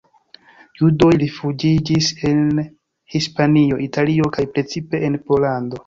Judoj rifuĝiĝis en Hispanio, Italio kaj precipe en Pollando.